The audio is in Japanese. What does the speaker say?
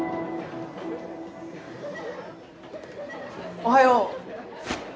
おはよう。